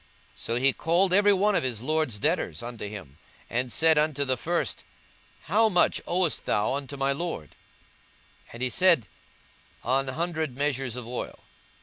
42:016:005 So he called every one of his lord's debtors unto him, and said unto the first, How much owest thou unto my lord? 42:016:006 And he said, An hundred measures of oil.